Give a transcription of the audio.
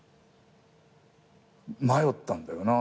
迷ったんだよな